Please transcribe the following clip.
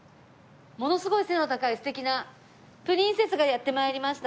ものすごい背の高い素敵なプリンセスがやって参りました。